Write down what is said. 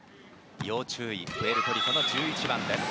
要注意、プエルトリコの１１番。